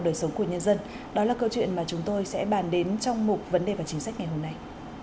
đời sống của nhân dân đó là câu chuyện mà chúng tôi sẽ bàn đến trong mục vấn đề và chính sách ngày hôm nay